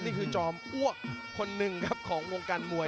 นี่คือจอมอ้วกคนหนึ่งครับของวงการมวย